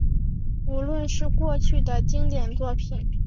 无论是过去的经典作品